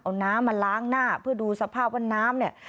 เอาน้ำมาล้างหน้าเพื่อดูสภาพว่าน้ำเนี่ย